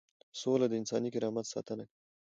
سوله د انساني کرامت ساتنه کوي.